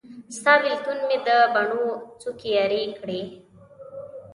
ستا بیلتون مې د بڼو څوکي ارې کړې